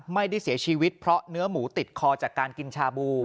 ไม่ได้เสียชีวิตเพราะเนื้อหมูติดคอจากการกินชาบู